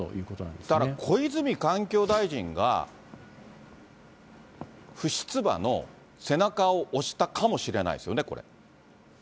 だから小泉環境大臣が、不出馬の背中を押したかもしれないですよね、これ。